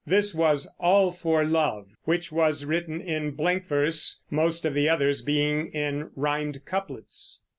This was All for Love, which was written in blank verse, most of the others being in rimed couplets.